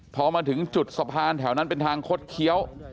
พอมาถึงจุดสะพานแถวนั้นเป็นทางคดเคี้ยว